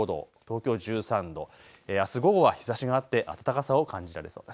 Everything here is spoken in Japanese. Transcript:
横浜１５度、東京１３度、あす午後は日ざしがあって暖かさを感じられそうです。